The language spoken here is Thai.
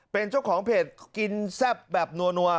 เป็นเจ้าของเพจกินแซ่บแบบนัว